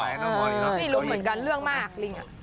ไม่รู้เหมือนกันเรื่องมากลิง